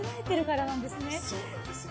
そうなんですよ。